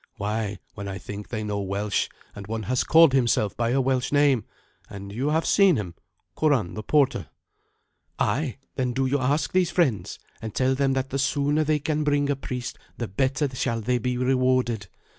Why, when I think, they know Welsh, and one has called himself by a Welsh name, and you have seen him Curan the porter." "Ay; then do you ask these friends, and tell them that the sooner they can bring a priest the better shall they be rewarded.